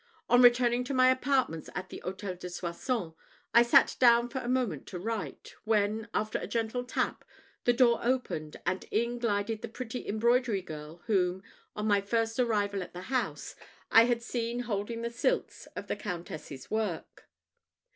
On returning to my apartments at the Hôtel de Soissons, I sat down for a moment to write; when, after a gentle tap, the door opened, and in glided the pretty embroidery girl whom, on my first arrival at the house, I had seen holding the silks for the Countess's work.